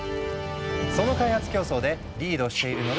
その開発競争でリードしているのが中国。